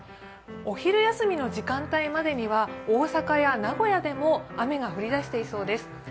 お昼休みの時間帯までには大阪や名古屋でも雨が降りだしていそうです。